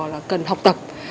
là cần học tập